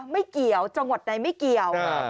ไม่เกี่ยวจังหวัดใดไม่เกี่ยว